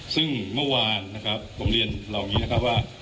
ซึ่งเมื่อวานผมเรียนเหล่านี้ว่า